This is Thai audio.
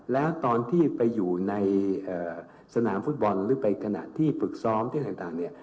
แล้วตอนที่ไปอยู่ในสนามฟุตบอลหรือไปขณะที่ฝึกซ้อมที่ต่างเนี่ย